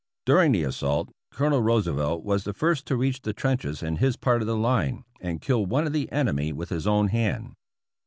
During the assault. Colonel Roosevelt was the first to reach the trenches in his part of the line and killed one of the enemy with his own hand.